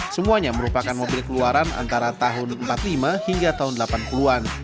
semuanya merupakan mobil keluaran antara tahun seribu sembilan ratus empat puluh lima hingga tahun seribu sembilan ratus delapan puluh an